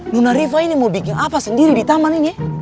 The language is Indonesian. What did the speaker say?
luna riva ini mau bikin apa sendiri di taman ini